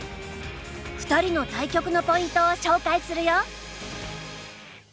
２人の対局のポイントを紹介するよ。